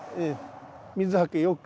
水はけ良く。